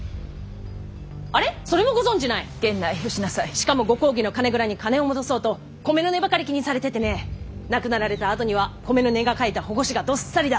しかもご公儀の金蔵に金を戻そうと米の値ばかり気にされててね亡くなられたあとには米の値が書いた反故紙がどっさりだ。